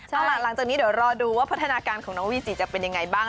เอาล่ะหลังจากนี้เดี๋ยวรอดูว่าพัฒนาการของน้องวีจิจะเป็นยังไงบ้าง